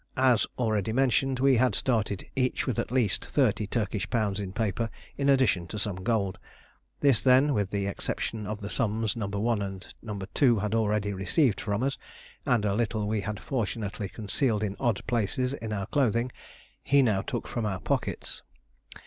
As already mentioned, we had started each with at least thirty Turkish pounds in paper in addition to some gold; this, then, with the exception of the sums No. 1 and No. 2 had already received from us, and a little we had fortunately concealed in odd places in our clothing, he now took from our pockets.